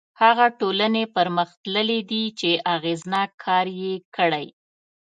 هغه ټولنې پرمختللي دي چې اغېزناک کار یې کړی.